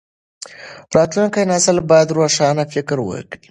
راتلونکی نسل بايد روښانه فکر ولري.